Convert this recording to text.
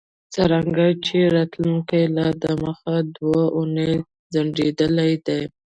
څرنګه چې راتلونکی لا دمخه دوه اونۍ ځنډیدلی دی